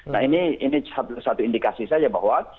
nah ini satu indikasi saja bahwa